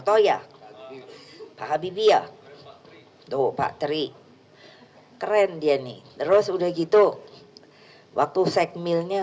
saya orang ramadan sudah komplip makanya